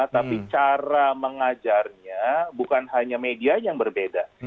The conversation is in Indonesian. tapi cara mengajarnya bukan hanya medianya yang berbeda